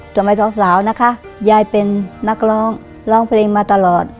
สมัยสาวนะคะยายเป็นนักร้องร้องเพลงมาตลอด